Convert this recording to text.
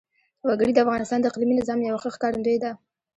وګړي د افغانستان د اقلیمي نظام یوه ښه ښکارندوی ده.